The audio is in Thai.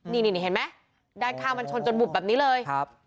นี่เห็นไหมด้านข้ามันชนจนบุบแบบนี้เลย